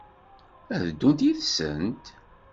Ad d-ddunt yid-sent?